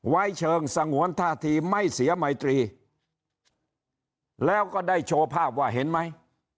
ไว้เชิงสงวนท่าทีไม่เสียไมตรีแล้วก็ได้โชว์ภาพว่าเห็นไหม